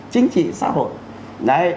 chính trị xã hội